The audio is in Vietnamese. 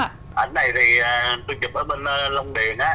ảnh này thì tôi chụp ở bên lông điền